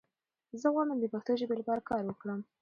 زۀ غواړم د پښتو ژبې لپاره کار وکړم!